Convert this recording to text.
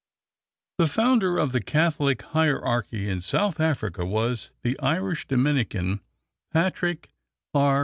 The founder of the Catholic hierarchy in South Africa was the Irish Dominican, Patrick R.